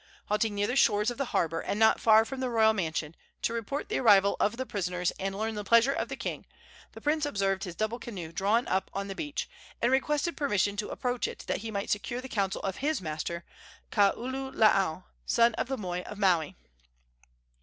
Halting near the shores of the harbor, and not far from the royal mansion, to report the arrival of the prisoners and learn the pleasure of the king, the prince observed his double canoe drawn up on the beach, and requested permission to approach it, that he might secure the counsel of his master, Kaululaau, son of the moi of Maui.